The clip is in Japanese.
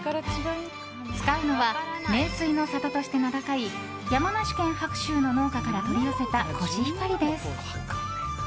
使うのは名水の里として名高い山梨県白州の農家から取り寄せたコシヒカリです。